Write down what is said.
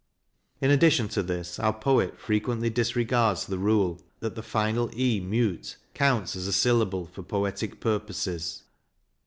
In addition to this our poet frequently disregards the rule that the final e mute counts as a syllable for poetic purposes.